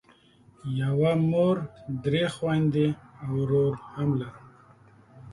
یوه مور درې خویندې او ورور هم لرم.